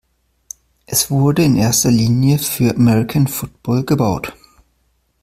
Es wurde in erster Linie für American Football gebaut.